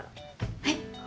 はい。